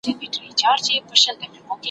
لمره نن تم سه نن به نه راخېژې ,